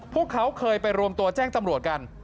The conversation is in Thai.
พวกเขาเคยไปรวมตัวแจ้งตำรวจกัน